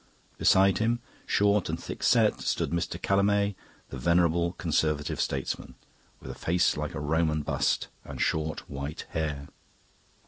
Beside him, short and thick set, stood Mr. Callamay, the venerable conservative statesman, with a face like a Roman bust, and short white hair.